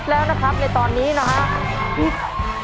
แล้วนะครับในตอนนี้นะครับ